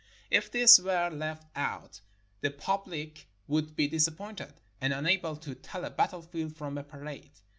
If this were left out, the public would be disappointed, and unable to tell a battlefield from a parade.